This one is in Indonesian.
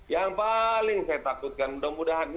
yang paling saya takutin kemudian